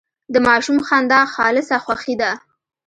د ماشوم خندا خالصه خوښي ده.